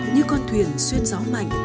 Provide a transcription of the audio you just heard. như con thuyền xuyên gió mạnh